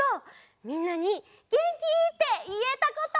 みんなに「げんき？」っていえたこと！